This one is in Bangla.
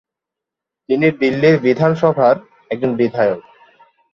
তিনি দিল্লি বিধানসভার একজন বিধায়ক।